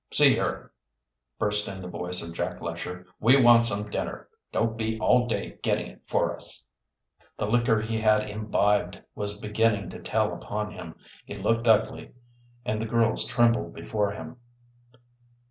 "See here!" burst in the voice of Jack Lesher. "We want some dinner. Don't be all day getting it for us." The liquor he had imbibed was beginning to tell upon him.. He looked ugly, and the girls trembled before him.